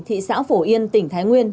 thị xã phổ yên tỉnh thái nguyên